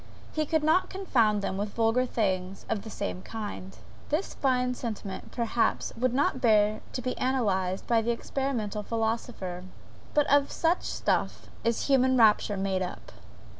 He could not confound them with vulgar things of the same kind. This fine sentiment, perhaps, would not bear to be analyzed by the experimental philosopher but of such stuff is human rapture made up!